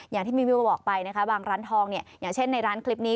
อย่างที่มิวบอกไปนะคะบางร้านทองเนี่ยอย่างเช่นในร้านคลิปนี้